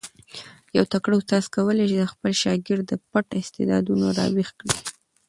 یو تکړه استاد کولای سي د خپل شاګرد پټ استعدادونه را ویښ کړي.